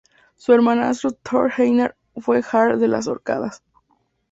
Su hermanastro Torf-Einarr fue jarl de las Orcadas.